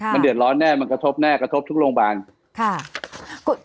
มันเดือดร้อนแน่มันกระทบแน่กระทบทุกโรงพยาบาลค่ะ